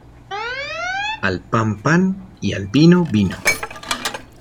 Al pan, pan y al vino, vino.